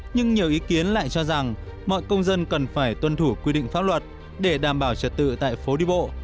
nhưng nhiều ý kiến lại cho rằng mọi công dân cần phải tuân thủ quy định pháp luật để đảm bảo trật tự tại phố đi bộ